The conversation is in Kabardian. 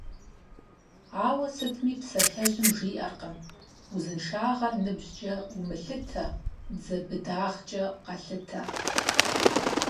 Ауэ сытми псалъэжьым жиӀэркъым: «Узыншагъэр ныбжькӀэ умылъытэ, дзэ быдагъэкӀэ къэлъытэ».